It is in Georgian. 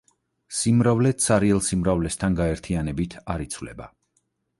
სიმრავლე ცარიელ სიმრავლესთან გაერთიანებით არ იცვლება.